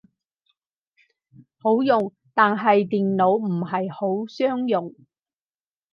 好用，但係電腦唔係好相容